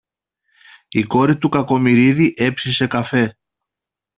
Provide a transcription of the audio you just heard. η κόρη του Κακομοιρίδη έψησε καφέ